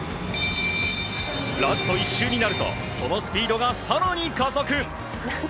ラスト１周になるとそのスピードが更に加速。